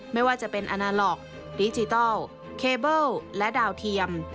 ไม่ว่าจะเป็นอนาล็อกดิจิทัลเคเบิลและดาวเทียม